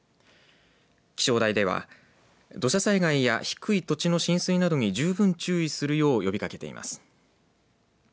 気象台では土砂災害や低い土地の浸水などに十分注意するよう呼びかけています。